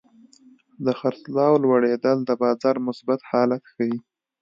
د خرڅلاو لوړېدل د بازار مثبت حالت ښيي.